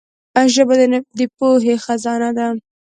ژبه د پوهي خزانه ده.